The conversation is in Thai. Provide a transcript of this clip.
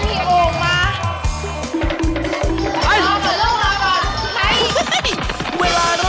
เด็กนะครับเด็กติดสติ๊กเกอร์นะครับ